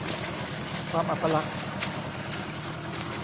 ความอัปลักษณ์